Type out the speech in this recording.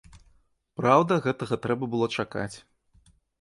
Праўда, гэтага трэба было чакаць.